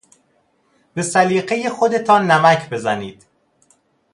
به سلیقهی خودتان نمک بزنید.